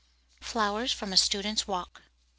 FLOWERS FROM A STUDENT'S WALKS.